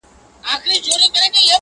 په کار کي شرم نسته، په خواري کي شرم سته.